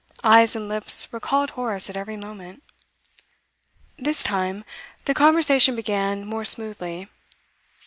Eyes and lips recalled Horace at every moment. This time, the conversation began more smoothly.